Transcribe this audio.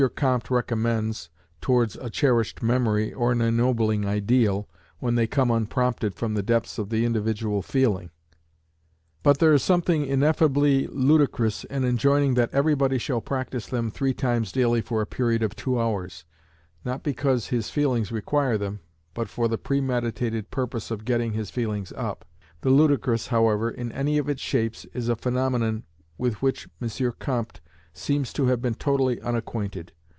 Comte recommends towards a cherished memory or an ennobling ideal, when they come unprompted from the depths of the individual feeling; but there is something ineffably ludicrous in enjoining that everybody shall practise them three times daily for a period of two hours, not because his feelings require them, but for the premeditated, purpose of getting his feelings up. The ludicrous, however, in any of its shapes, is a phaenomenon with which M. Comte seems to have been totally unacquainted.